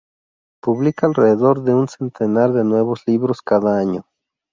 Publica alrededor de un centenar de nuevos libros cada año.